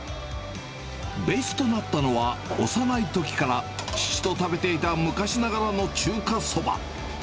ベースとなったのは、幼いときから父と食べていた昔ながらの中華そば。